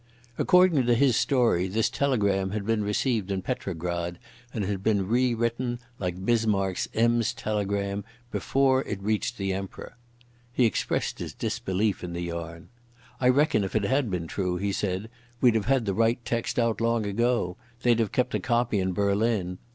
According to his story this telegram had been received in Petrograd, and had been re written, like Bismarck's Ems telegram, before it reached the Emperor. He expressed his disbelief in the yarn. "I reckon if it had been true," he said, "we'd have had the right text out long ago. They'd have kept a copy in Berlin.